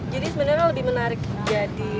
jadi sebenarnya lebih menarik jadi